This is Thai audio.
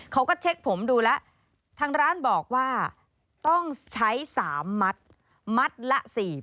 เขาก็เช็คผมดูแล้วทางร้านบอกว่าต้องใช้๓มัดมัดละ๔๐๐